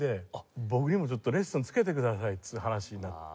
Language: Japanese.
「僕にもレッスンつけてください」って話になって。